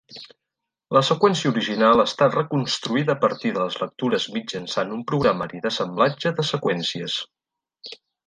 La seqüència original està reconstruïda a partir de les lectures mitjançant un programari d'assemblatge de seqüències.